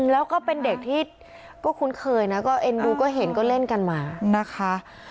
แล้วก็เป็นเด็กที่ก็คุ้นเคยนะก็เอ็นดูก็เห็นก็เล่นกันมานะคะ